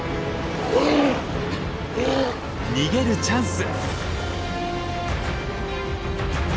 逃げるチャンス！